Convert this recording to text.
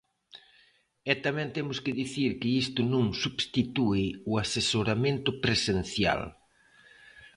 E tamén temos que dicir que isto non substitúe o asesoramento presencial.